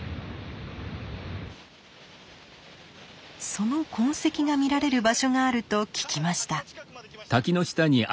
その痕跡が見られる場所があると聞きました。